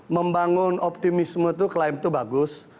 membangun optimisme itu klaim itu bagus